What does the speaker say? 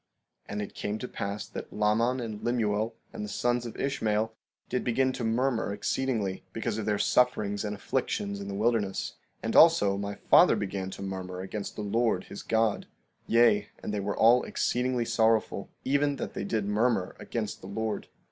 16:20 And it came to pass that Laman and Lemuel and the sons of Ishmael did begin to murmur exceedingly, because of their sufferings and afflictions in the wilderness; and also my father began to murmur against the Lord his God; yea, and they were all exceedingly sorrowful, even that they did murmur against the Lord.